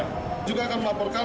kita juga akan melaporkan